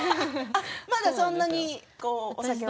まだそんなにお酒は？